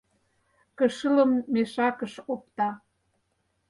Кышылым мешакыш опта...